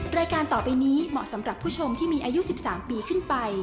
รายการต่อไปนี้เหมาะสำหรับผู้ชมที่มีอายุ๑๓ปีขึ้นไป